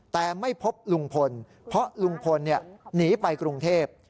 แต่ไม่พบลุงพลเพราะลุงพลหนีไปกรุงเทพ